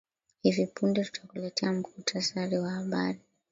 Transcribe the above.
hivi punde tutakuletea mkutasari wa habari